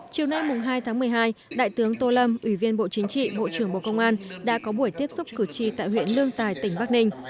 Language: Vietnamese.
chiều nay hai tháng một mươi hai đại tướng tô lâm ủy viên bộ chính trị bộ trưởng bộ công an đã có buổi tiếp xúc cử tri tại huyện lương tài tỉnh bắc ninh